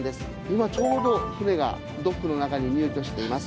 今ちょうど船がドックの中に入居しています。